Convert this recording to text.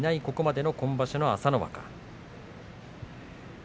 ここまでの今場所の朝乃若。